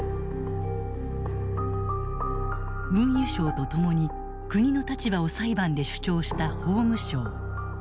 運輸省と共に国の立場を裁判で主張した法務省。